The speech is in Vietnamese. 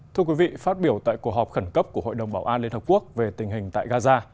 thưa quý vị phát biểu tại cuộc họp khẩn cấp của hội đồng bảo an liên hợp quốc về tình hình tại gaza